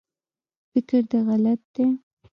فکر دی غلط دی